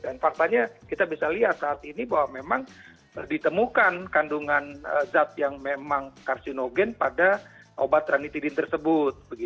dan faktanya kita bisa lihat saat ini bahwa memang ditemukan kandungan zat yang memang karsinogen pada obat ranitidin tersebut